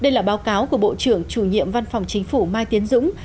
đây là báo cáo của bộ trưởng chủ nhiệm văn phòng chính phủ mai tiến dũng